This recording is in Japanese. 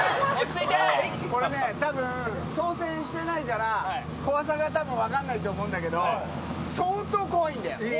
これね、たぶん操船してないから、怖さがたぶん分かんないと思うんだけど、相当怖いんだよ。